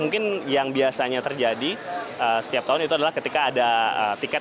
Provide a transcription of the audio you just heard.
mungkin yang biasanya terjadi setiap tahun itu adalah ketika ada tiket